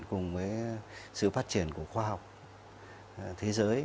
cùng với sự phát triển của khoa học thế giới